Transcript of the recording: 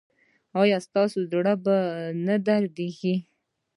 ایا ستاسو زړه به نه دریدي؟